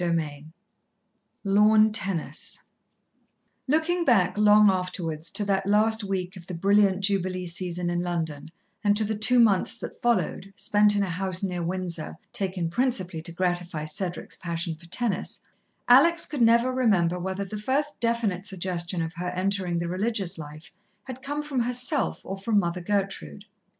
XVII Lawn Tennis Looking back long afterwards, to that last week of the brilliant Jubilee season in London and to the two months that followed, spent in a house near Windsor, taken principally to gratify Cedric's passion for tennis, Alex could never remember whether the first definite suggestion of her entering the religious life had come from herself or from Mother Gertrude.